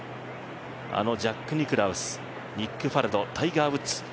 あのジャック・ニクラウスニック・ファルド、タイガー・ウッズ。